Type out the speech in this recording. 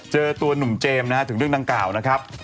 เจอตัวหนุ่มเจมส์นะฮะถึงเรื่องดังกล่าวนะครับ